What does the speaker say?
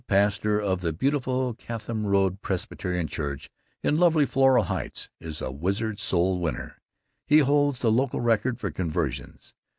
pastor of the beautiful Chatham Road Presbyterian Church in lovely Floral Heights, is a wizard soul winner. He holds the local record for conversions.